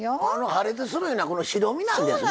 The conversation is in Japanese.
破裂するのはこの白身なんですね。